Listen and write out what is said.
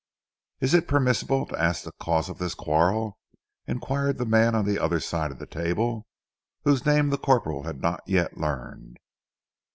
"Is it permissible to ask the cause of this quarrel?" inquired the man on the other side of the table, whose name the corporal had not yet learned.